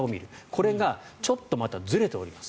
これがちょっとまたずれております。